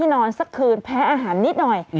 นอนสักคืนแพ้อาหารนิดหน่อย